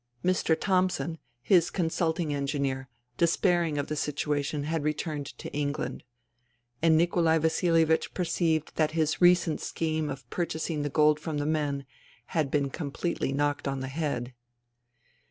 Mr. Thomson, his consulting engineer, despairing of the situation, had returned to England. And Nikolai Vasilievich perceived that his recent scheme of purchasing the gold from the men had been com pletely knocked on the head.